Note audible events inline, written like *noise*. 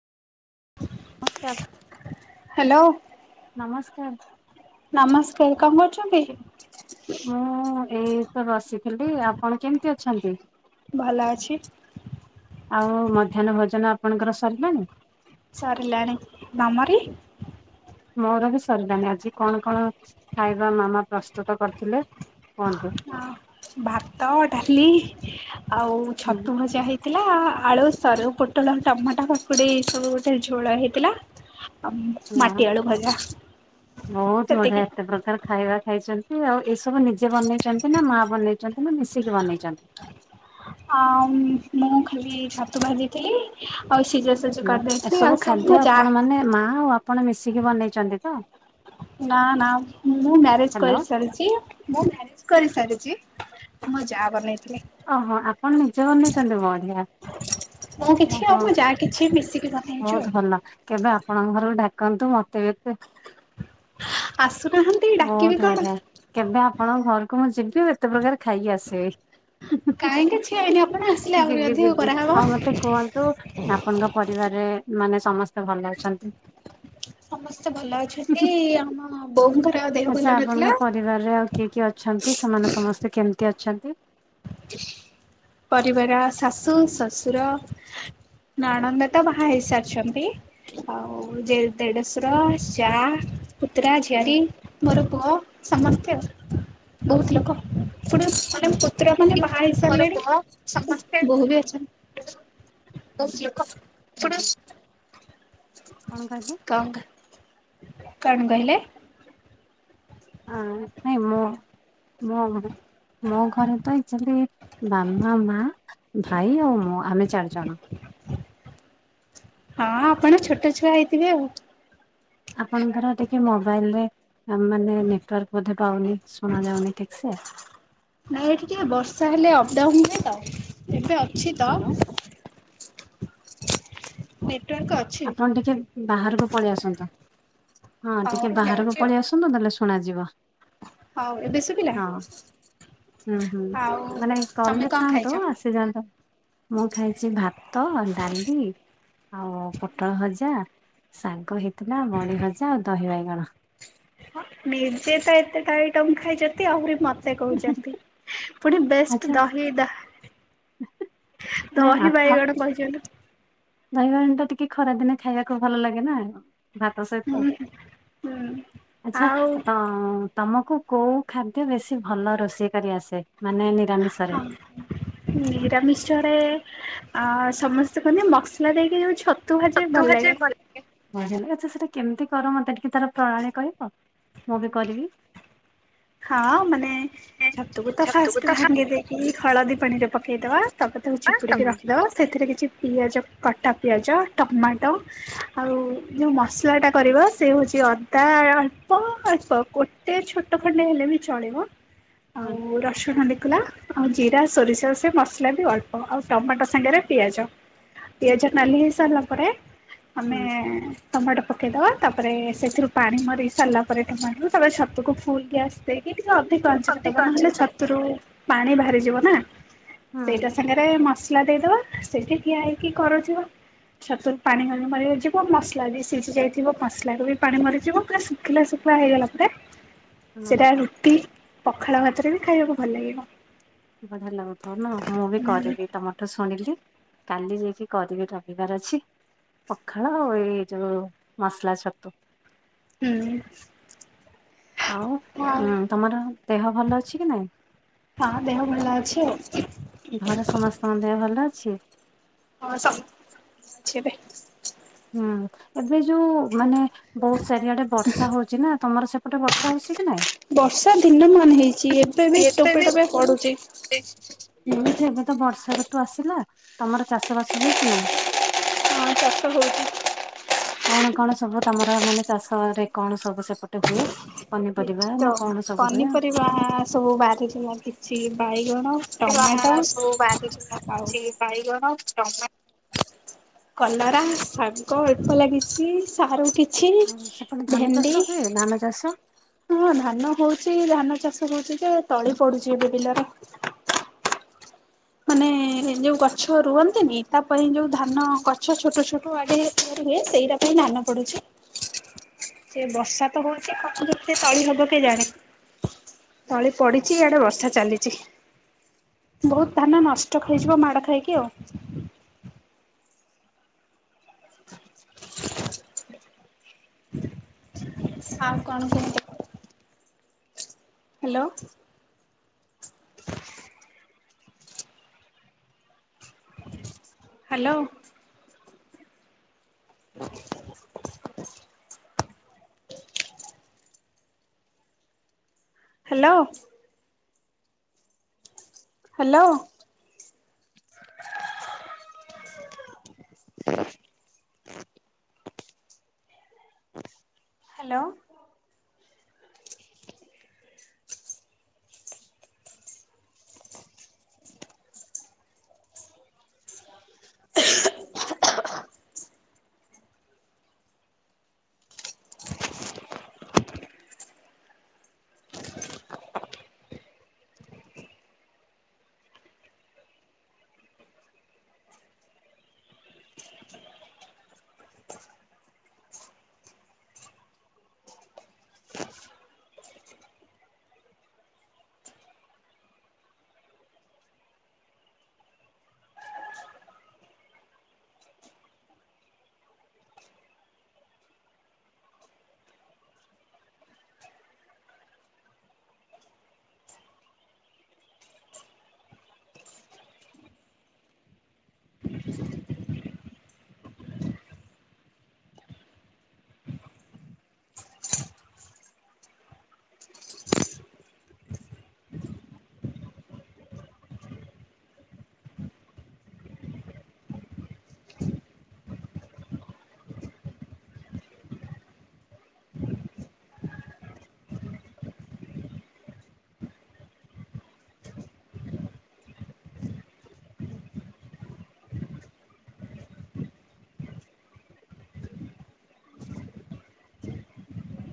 ନମସ୍କାର ହ୍ୟାଲୋ ନମସ୍କାର। ନମସ୍କାର କଣ କରୁଛନ୍ତି? ମୁଁ ଏଇ ତ ବସିଥିଲି। ଆପଣ କେମିତି ଅଛନ୍ତି। ଭଲ ଅଛି। ଆଉ, ମଧ୍ୟାହ୍ନ ଭୋଜନ ଆପଣଙ୍କର ସରିଲାଣିି। ସାରିଲଣି ତମରି? ମୋର ବି ସରିଲାନି ।ଆଜି କଣ କଣ ଖାଇବା, ମାମା ପ୍ରସ୍ତୁତ କରିଥିଲେ। କୁହନ୍ତୁ ହଁ, ଭାତ ଡାଲି। ଆଉ, ହୁଁ ଛତୁ ଭଜା ହେଇଥିଲା। ଆଳୁ ସରୁଉ ପଟ ପୋଟଳ, ଟମାଟୋ, କକୁଡି ସବୁ ଗୋଟେ ଝୋଳ ହେଇଥିଲା। ହୁଁ ଆଁ ମାଟି ଆଳୁ ଭଜା ବହୁତ ସେତିକି। ବଢିଆ ଏତେ ପ୍ରକାର ଖାଇବା ଖାଇଛ। ସେ ଆଉ, ଏସବୁ ନିଜେ ବନେଇଛନ୍ତି। ନା ମା ବନେଇଛନ୍ତି ।ନା ମିଶିକି ବନେଇଛନ୍ତି। ଅ ମୁଁ ଖାଲି, ଛତୁ ବାଜିଇଥିଲି। ହ୍ୟାଲୋ ।ଏସବୁ ଖାଦ୍ୟ ଯା ଆପଣ ମାନେ, ମା ଆଉ ଆପଣ ମିଶିକି ବନେଇଛନ୍ତି ତ। ନା, ନା। ମୁଁ ମ୍ୟାରେଜ ହ୍ୟାଲୋ କରିସାରଛି ।ମୁଁ ମ୍ୟାରେଜ କରିସାରଛି। ମୋ ଯାଆ ବନେଇ ଓହୋ ।ଆପଣ ନିଜେ ବନେଇଛନ୍ତି। ବୋଢିଆ। ମୁଁ କିଛି ଆଉ ଓହୋ। ମୋ ଯା କିଛି ମିଶିକି ବନେଇଛୁ ଆଉ ବହୁତ ଭଲ କେବେ ଆପଣଙ୍କ ଘରକୁ ଡାକନ୍ତୁ । ମତେ ବି ଏତେ ଆସ ବହୁତ ବଢିଆ। କେବେ ଆପଣଙ୍କ ଘରକୁ, ମୁଁ ଯିବି। ଏତେ ପ୍ରକାର ଖାଇକି ଆସିବି। କହିଁକି? ଯିବି, ଯିବି। ଆଉ ମତେ କୁହନ୍ତୁ ଆପଣଙ୍କ ପରିବାରରେ ମାନେ ସମସ୍ତେ ଭଲ ଅଛନ୍ତି। ସମସ୍ତେ ଭଲ ଅଛନ୍ତି। ଆମ ବୋଉଙ୍କର ଦେହ ଭଲ ଆଚ୍ଛା ନଥିଲା। ।ଆପଣଙ୍କ ପରିବାରରେ, ଆଉ କିଏ କିଏ ଅଛନ୍ତି। ସେମାନେ ସମସ୍ତେ କେମିତି ଅ ଅଛନ୍ତି। ପରିବାର ଶାଶୁ ଶଶୁର ନଣନ୍ଦ ତ ବାହା ହେଇସାରିଛନ୍ତି। ଆଉ ଦେଢ଼ ଦେଢଶୁର ଯା ପୁତୁରା ହୁଁ ଝିଆରୀ ମୋର ପୁଅ ସମସ୍ତେ ଆଉ ବହୁତ ଲୋକ। ଏପଟେ ହୁଁ। ମାନେ ପୁତୁରାମାନେ ବାହା ମୋର ହେଇସାରିଲେଣି ପୁଅ ସମସ୍ତେ ବହୁତ ଲୋକ ଆପଣ କଣ କହିଲେ? କଣ କଣ କହିଲେ? ହଁ ନାଇ ମୁଁ ମୋ ମୋ ଘରେ ତ ଆଚୁଆଲି ବାବା ମା ଭାଇ ଆଉ ମୁଁ ଆମେ ଚାରିଜଣ। ହଁ ଆପଣ ଛୋଟଛୁଆ ହେଇଥିବେ ଆଉ। ଆପଣଙ୍କର ଟିକେ ମୋବାଇଲରେ ମାନେ ନେଟୱାର୍କ ବୋଧେ ପାଉନି। ଶୁଣାଯାଉନି ଠିକ ସେ ନାଇଁ ଏଠି ଟିକେ ବର୍ଷା ହେଲେ ଅପଡାଉନ ହୁଏ ତ ଏବେ ଅଛି ତ ହ୍ୟାଲୋ ନେଟୱାର୍କ ଅଛି। ଆପଣ ଟିକେ ବାହାରକୁ ପଳେଇ ଆସନ୍ତୁ। ହଁ ହଉ ଟିକେ ମୁଁ ବାହାରକୁ ଯାଉଛି ଆଉ। ପଳେଇ ଆସନ୍ତୁ ଭଲ ସବ୍ ଶୁଣାଯିବ। ହଉ ଏବେ ଶୁଭିଲା? ହଁ ହୁଁ ହୁଁ ଆଉ ମାନେ ତମେ କଲରେ କଣ ଥାଆନ୍ତୁ ଖାଇଛ? ଆସିଯାଆନ୍ତୁ। ମୁଁ ଖାଇଛି ଭାତ ଡାଲି ଆଉ ପୋଟଳ ଭଜା ସାଗ ହେଇ ନିଜେ ତ ଏତେ ଆଇଟମ ଖାଇଛ ଯେତେ ଆହୁରି ମତେ କହୁଛନ୍ତି। ପୁଣି ବେଷ୍ଟ ଆଚ୍ଛା ଦହି ଦା ନାଇଁ ଦହି ଆଉ ବାଇଗଣ କହିଛନ୍ତି। ଦହି ବାଇଗଣ ଟା ଟିକେ ଖରା ଦିନେ ଖାଇବାକୁ ଭଲ ଲାଗେ ନା? ଭାତ ସହିତ ହୁଁ ହୁଁ ଆଚ୍ଛା ଆଉ ତମ ତମକୁ କୋଉ ଖାଦ୍ୟ ବେଶୀଭଲ ରୋଷେଇ କରିଆସେ? ହଁ ହଁ ନିରାମିଷରେ ଆ ଆ ସମସ୍ତେ କହନ୍ତି ମସଲା ଦେଇକି ଯୋଉ ଛ ଛତୁ ଭାଜେ ଭଲ ସେ କେମତି କର ମତେ ଟିକେ ତାର ପ୍ରଣାଳୀ କହିବ? ମୁଁ ବି କରିବି। ହଁ ମାନେ ଛତୁକୁ ତ ଫାଷ୍ଟ ଭାଙ୍ଗି ଦେଇକି ହଳଦୀ ପାଣିରେ ପକେଇଦବା। ତାପରେ ତାକୁ ଚିପୁଡ଼ିକି ହୁଁ ରଖିଦେବା ସେଥିରେ କିଛି ପିଆଜ କଟାପିଆଜ ଟମାଟୋ ଆଉ ଯେଉଁ ମସଲାଟା କରିବ ସେ ହେଉଛି ଅଦା ବା ଅଳ୍ପ ଅଳ୍ପ ଗୋଟେ ଛୋଟ ଖଣ୍ଡେ ହେଲେ ବି ଚଳିବ ହୁଁ ହୁଁ। ଆଉ ରସୁଣ ଦେଇକି ଆଉ ଜିରା ସୋରିଷ ମସଲା ବି ଅଳ୍ପ ଆଉ ଟମାଟୋ ସାଙ୍ଗରେ ପିଆଜ ପିଆଜ ନାଲି ହେଇସାରିଲା ପରେ ଆମେ ହୁଁ ଟମାଟୋ ପକେଇଦବା ତାପରେ ସେଥିରୁ ପାଣି ମରିସାରିଲା ପରେ ଟମାଟୋ ତାପରେ ଛତକୁ ଫୁଲ ଗ୍ୟାସ୍ ଦେଇକି ଟିକେ ଅଧିକ ଆଞ୍ଚରେ ଦବା ନହେଲେ ଛତୁରୁ ପାଣି ବାହାରିଯିବନା ସେଇଟା ସାଙ୍ଗରେ ମସଲା ଦେଇଦବା ସେଇଠି ଠିଆ ହେଇକି କରୁଥିବା ଛତୁରୁ ପାଣି ମରି ମରିଯିବ ମସଲା ବି ସିଝି ଯାଇଥିବ ମସଲାରୁ ବି ପାଣି ମରିଯିବ ପୁରା ଶୁଖିଲା ଶୁଖି ପୁରା ହେଇଗଲା ପରେ ହୁଁ ସେଟା ରୁଟି ପଖାଳ ଭାତରେ ବି ଖାଇବାକୁ ଭଲ ଲାଗିବ। ବଢିଆ ଲାଗୁଥିବ ନା ମୁଁ ବି କରିବି ତମଠୁ ଶୁଣିଲି। କାଲି ଯାଇକି କରିବି ରବିବାର ଅଛି। ପଖାଳ ଏଯୋଉ ମସଲା ଛତୁ। ହୁଁ। ଆଉ ଆଉ ହୁଁ ତମର ଦେହ ଭଲ ଅଛି କି ନାଇଁ? ହଁ ଦେହ ଭଲ ଅଛି ଆଉ ଘରେ ସମସ୍ତଙ୍କ ଦେହ ଭଲ ଅଛି? ହଁ ସମ ଅଛି ଏବେ। ହୁଁ ଏବେ ଯୋଉ ମାନେ। ବହୁତ ଚାରିଆଡେ ବର୍ଷା ହଉଛି ନା ତମର ସେପଟେ ବର୍ଷା ହଉଛି କି ନାଇଁ। ବର୍ଷା ଦିନ ମାନ ହେଇଛି ଏବେ ବି ଟୋପେ ଏତେବି ଟୋପେ ପଡୁଛି ନା ଛୁଆ କୁ ତ ବର୍ଷା । ବର୍ଷା ଋତୁ ଆସିଲା ତମର ଚାଷ ବାସ ହୁଏ କି ନାଇଁ। ଚାଷ ହଉଛି। କଣ କଣ ସବୁ ତମର ମାନେ ଚାଷ ରେ କଣ ସବୁ ସେପଟେ ହୁଏ ପନି ଏଠି ତ ପନିପରିବା ସବୁ ବାହାରି ଥିଲା କିଛି ବାଇଗଣ। ଟମାଟୋ ପରିବା ସବୁ ବାହାରୁଛି ଆଉ ଅଛି ବାଇଗଣ ଟମା କଲରା ଶାଗ ଅଳ୍ପ ଲାଗିଛି ସାରୁ କି ଆଉ କିଛି ସେପଟେ ଧାନ ଚାଷ ଭେଣ୍ଡି। ହୁଏ ଧାନ ଚାଷ ହଁ ଧାନ ହଉଛି ଧାନ ଚାଷ ହଉଛି ଯେ ତଳି ପଡୁଛି ଏବେ ବିଲରେ । ମାନେ ଯୋଉ ଗଛ ରୁଅ ନ୍ତିନି ତା ପାଇଁ ଯୋଉ ଧାନ ଗଛ ଛୋଟ ଛୋଟ ଆଡେ ତିଆରି । ହୁଏ ସେଇଟା ପାଇଁ ଧାନ ପଡୁଛି। ସେ ବର୍ଷା ତ ହଉଛି ପାଖ ପାଖି ରେ ତଳି ହବ କେ ଜାଣି। ତଳି ପଡିଛି ଆଡେ ବର୍ଷା ଚାଲିଛି ବହୁତ। ଧାନ ନଷ୍ଟ ଖାଇଯିବ ମାଡ ଖାଇକି ଆଉ। *unintelligible* ଆଉ କଣ କୁହନ୍ତୁ । ହାଲୋ। ହାଲୋ। *unintelligible* ହାଲୋ। ହାଲୋ। *unintelligible* ହ *unintelligible* ହାଲୋ। *unintelligible*